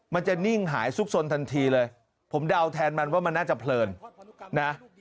มันจะนิ่งหายซุกสนทันทีเลยผมเดาแทนมันว่ามันน่าจะเพลินนะ